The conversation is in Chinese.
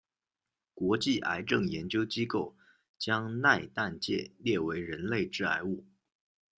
国际癌症研究机构将萘氮芥列为人类致癌物。